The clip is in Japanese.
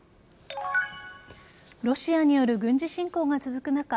ロシアによる軍事侵攻が続く中